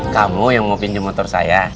kamu yang mau pinjem motor saya